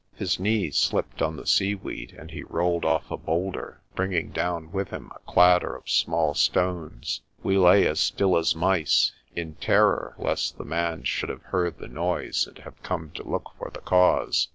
His knee slipped on the seaweed, and he rolled off a boulder, bringing down with him a clatter of small stones. We lay as still as mice, in terror! lest the man should have heard the noise and have come to look for the cause.